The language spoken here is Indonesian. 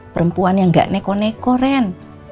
perempuan yang gak neko neko ren